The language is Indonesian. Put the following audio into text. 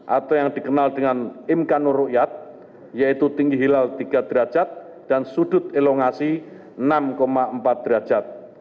atau yang dikenal dengan imkanur rukyat yaitu tinggi hilal tiga derajat dan sudut elongasi enam empat derajat